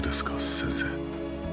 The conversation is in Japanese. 先生。